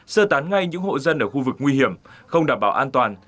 sơ tán ngay những hộ dân ở khu vực nguy hiểm không đảm bảo an toàn